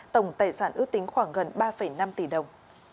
tổng tài sản ước tính khoảng gần ba năm tỷ đồng